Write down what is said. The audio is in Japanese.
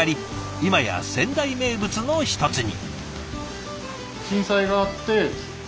今や仙台名物の一つに。